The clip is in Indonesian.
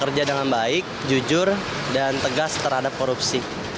kerja dengan baik jujur dan tegas terhadap korupsi